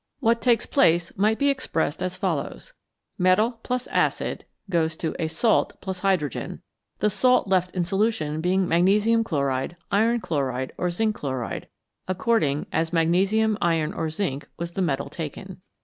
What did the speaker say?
What takes place might be expressed as follows: metal acid >a salt 4 hydrogen, the salt left in solution being magnesium chloride, iron chloride, or zinc chloride, according as mag nesium, iron, or zinc was the metal taken.